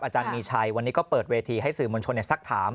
อาจารย์มีชัยวันนี้ก็เปิดเวทีให้สื่อมวลชนสักถาม